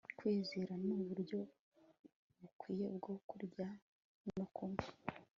Kwizera nUburyo Bukwiriye bwo Kurya no Kunywa